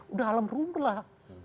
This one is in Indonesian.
udah alam rumur lah